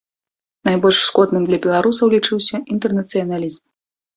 Найбольш шкодным для беларусаў лічыўся інтэрнацыяналізм.